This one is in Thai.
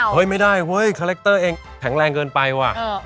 ไม่ได้เฮ้ยคาแรคเตอร์เองแข็งแรงเกินไปว่ะ